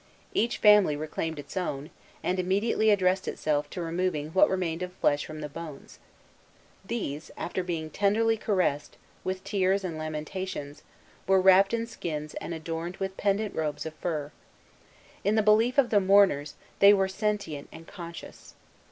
Each family reclaimed its own, and immediately addressed itself to removing what remained of flesh from the bones. These, after being tenderly caressed, with tears and lamentations, were wrapped in skins and adorned with pendent robes of fur. In the belief of the mourners, they were sentient and conscious.